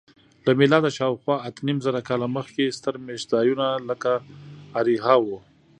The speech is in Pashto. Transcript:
له میلاده شاوخوا اتهنیمزره کاله مخکې ستر میشت ځایونه لکه اریحا وو.